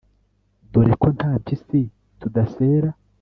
_dore ko nta mpyisi tudasera